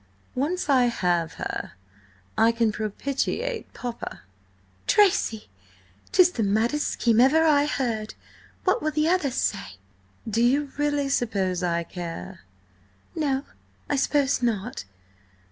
Once I have her, I can propitiate Papa." "Tracy, 'tis the maddest scheme ever I heard! What will the others say?" "Do you really suppose I care?" "No, I suppose not.